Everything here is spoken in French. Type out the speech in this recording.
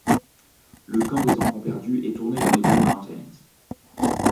Le camp des enfants perdus est tourné dans les Blue Mountains.